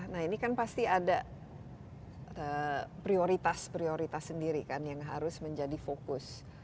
nah ini kan pasti ada prioritas prioritas sendiri kan yang harus menjadi fokus